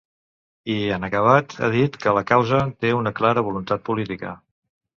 I, en acabat, ha dit que la causa té ‘una clara voluntat política’.